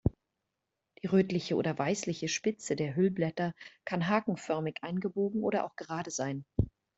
Die rötliche oder weißliche Spitze der Hüllblätter kann hakenförmig eingebogen oder auch gerade sein.